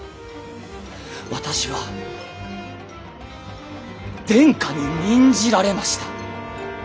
私は殿下に任じられました。